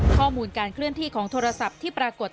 ข้อมูลการเคลื่อนที่ของโทรศัพท์ที่ปรากฏ